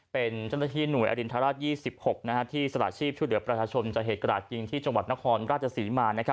เป็นเจ้าหน้าที่หน่วยอรินทราช๒๖ที่สละชีพช่วยเหลือประชาชนจากเหตุกระดาษยิงที่จังหวัดนครราชศรีมา